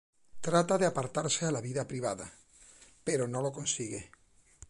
Trata de apartarse a la vida privada; pero no lo consigue.